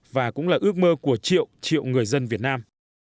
và cũng là ước mơ của triệu triệu người dân việt nam